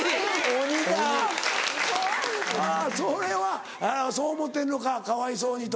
あぁそれはそう思ってるのかかわいそうにとか。